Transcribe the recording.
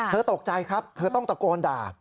ตกใจครับเธอต้องตะโกนด่า